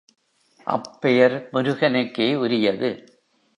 அப்பெயர் முருகனுக்கே உரியது.